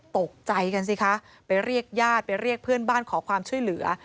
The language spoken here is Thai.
ตกใจกันสิคะไปเรียกญาติไปเรียกเพื่อนบ้านขอความช่วยเหลือ